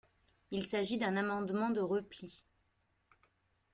Il s’agit d’un amendement de repli.